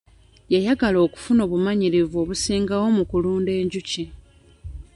Yayagala okufuna obumanyirivu obusingako mu kulunda enjuki.